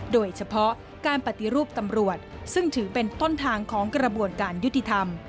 โดยเฉพาะการปฏิรูปตำรวจซึ่งถือเป็นต้นทางของกระบวนการยุติธรรม